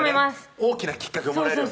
大きなきっかけをもらえるよね